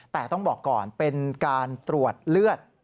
แต่ต้องบอกก่อนเป็นการตรวจเลือด